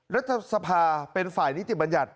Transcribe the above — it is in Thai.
รัฐธรรมนตร์เป็นฝ่ายนิติบัญญัติ